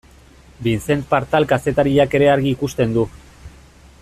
Vicent Partal kazetariak ere argi ikusten du.